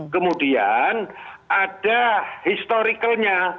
kemudian ada historicalnya